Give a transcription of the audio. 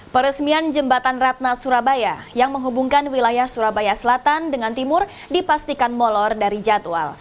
peresmian jembatan ratna surabaya yang menghubungkan wilayah surabaya selatan dengan timur dipastikan molor dari jadwal